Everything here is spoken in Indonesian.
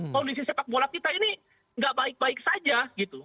kondisi sepak bola kita ini nggak baik baik saja gitu